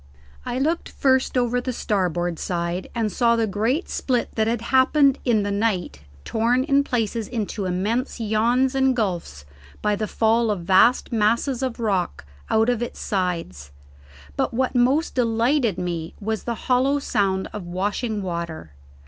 I looked first over the starboard side and saw the great split that had happened in the night torn in places into immense yawns and gulfs by the fall of vast masses of rock out of its sides; but what most delighted me was the hollow sound of washing water.